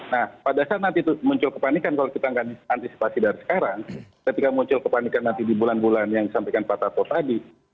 nah pada saat nanti itu muncul kepanikan kalau kita nggak antisipasi dari sekarang ketika muncul kepanikan nanti di bulan bulan yang disampaikan pak tarto tadi